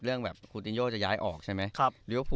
เรื่องแบบคูตินโยจะย้ายออกใช่ไหม